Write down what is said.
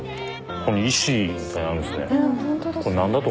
ここに石みたいなんあるんすね。